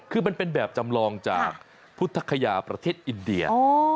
คือมันเป็นแบบจำลองจากพุทธคยาประเทศอินเดีย